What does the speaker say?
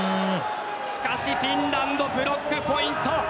しかし、フィンランドブロックポイント。